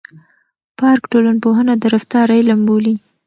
پارک ټولنپوهنه د رفتار علم بولي.